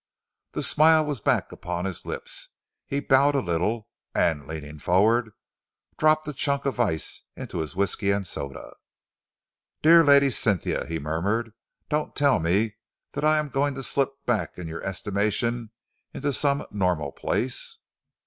The smile was back upon his lips. He bowed a little, and, leaning forward, dropped a chunk of ice into his whisky and soda. "Dear Lady Cynthia," he murmured, "don't tell me that I am going to slip back in your estimation into some normal place."